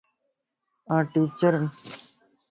آن ٽيچر ائين